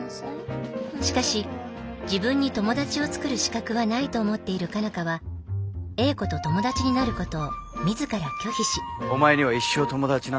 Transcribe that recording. しかし自分に友達を作る資格はないと思っている佳奈花は英子と友達になることを自ら拒否しお前には一生友達なんてできない。